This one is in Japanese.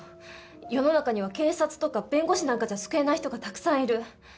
世の中には警察とか弁護士なんかじゃ救えない人がたくさんいる。